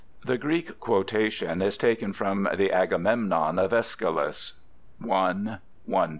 The Greek quotation is taken from the Agamemnon of Æschylos, l. 120.